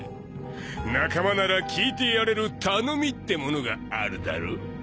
仲間なら聞いてやれる頼みってものがあるだろ？